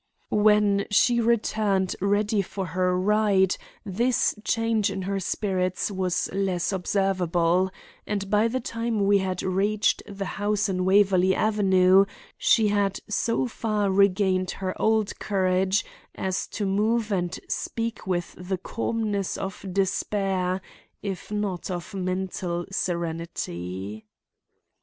When she returned ready for her ride this change in her spirits was less observable, and by the time we had reached the house in Waverley Avenue she had so far regained her old courage as to move and speak with the calmness of despair if not of mental serenity.